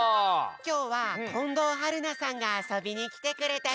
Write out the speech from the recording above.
きょうは近藤春菜さんがあそびにきてくれたよ。